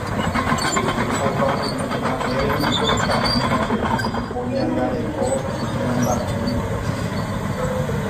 Opa umi mba'éreniko Tani ha Peru oñangareko mymbamimíre.